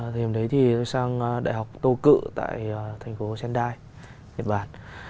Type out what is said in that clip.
thì hôm đấy thì tôi sang đại học tô cự tại thành phố sendai việt bản